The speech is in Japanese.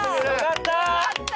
よかった！